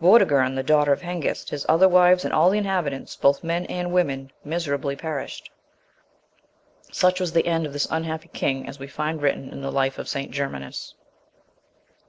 Vortigern, the daughter of Hengist, his other wives, and all the inhabitants, both men and women, miserably perished: such was the end of this unhappy king, as we find written in the life of St. Germanus.